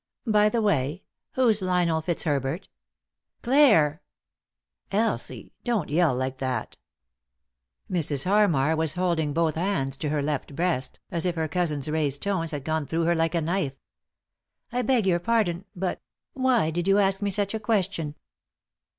By the way, who's Lionel Fitzherbert ?" "Clare I" " Elsie 1 Don't yell like that 1 " Mrs. Harmar was holding both hands to her left breast as if her cousin's raised tones had gone through her like a knife. " I beg your pardon, but — why did you ask me such a question